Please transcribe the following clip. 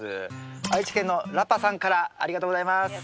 愛知県のらぱさんからありがとうございます。